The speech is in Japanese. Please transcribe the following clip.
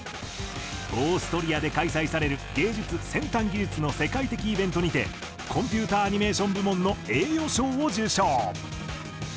オーストリアで開催される芸術先端技術の世界的イベントにてコンピューターアニメーション部門の栄誉賞を受賞。